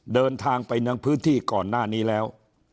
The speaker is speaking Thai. เดินทางไปยังพื้นที่ก่อนหน้านี้แล้ว